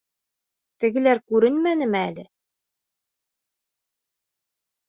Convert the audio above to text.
Тегеләр күренмәнеме әле?